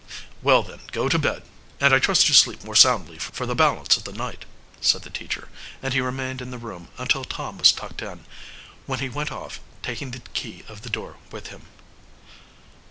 "Well, then, go to bed; and I trust you sleep more soundly for the balance of the night," said the teacher; and he remained in the room until Tom was tucked in, when he went off, taking the key of the door with him.